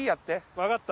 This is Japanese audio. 分かった。